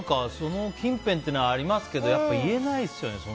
その近辺というのはありますけどやっぱ、言えないですよね